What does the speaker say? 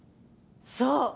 そう。